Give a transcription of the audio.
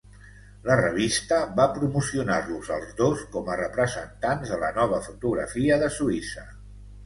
La revista va promocionar-los als dos com a representants de la 'nova fotografia' de Suïssa.